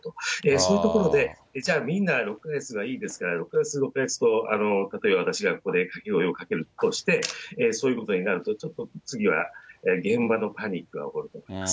そういうところで、じゃあみんな６か月がいいですから、６か月後と例えば私がここで掛け声をかけるとして、そういうことになると、ちょっと次は現場のパニックが起こると思います。